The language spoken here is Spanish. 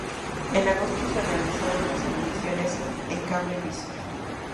En agosto se realizaron las audiciones en Cable visión.